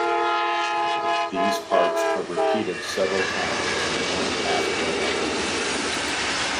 These parts are repeated several times, one after another.